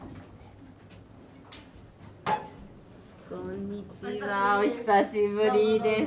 こんにちはお久しぶりです。